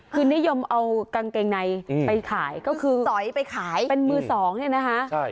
คือนิยมเอากางเกงในไปขายก็คือสอยไปขายเป็นมือสองเนี่ยนะคะ